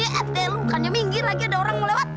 katanya minggir lagi ada orang melewat